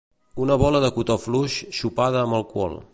Una bola de cotó fluix xopada amb alcohol.